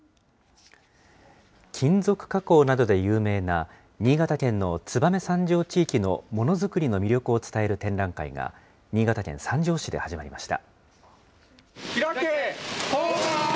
金属加工などで有名な新潟県の燕三条地域のものづくりの魅力を伝える展覧会が、新潟県三条市で始まりました。